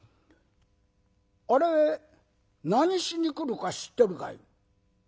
あれ何しに来るか知ってるかい？